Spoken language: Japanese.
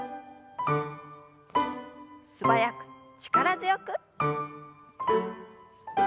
素早く力強く。